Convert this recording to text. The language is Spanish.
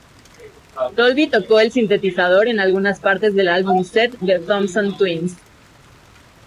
Dolby tocó el sintetizador en algunas partes del álbum "Set" de Thompson Twins.